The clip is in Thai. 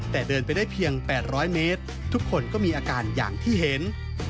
แต่เดินไปได้เพียง๘๐๐เมตรทุกคนก็มีอาการอย่างที่เห็น